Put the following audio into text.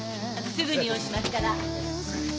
すぐに用意しますから。